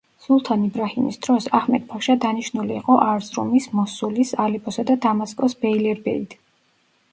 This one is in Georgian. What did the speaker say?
სულთან იბრაჰიმის დროს, აჰმედ-ფაშა დანიშნული იყო არზრუმის, მოსულის, ალეპოსა და დამასკოს ბეილერბეიდ.